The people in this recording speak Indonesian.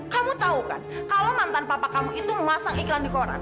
kamu tahu kan kalau mantan papa kamu itu memasang iklan di koran